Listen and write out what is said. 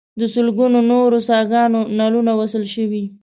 د لسګونو نورو څاګانو نلونه وصل شوي.